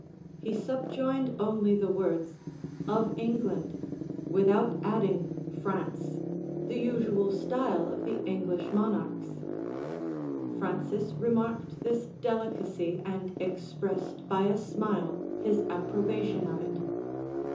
He subjoined only the words "of England," without adding "France," the usual style of the English monarchs.[*] Francis remarked this delicacy, and expressed by a smile his approbation of it.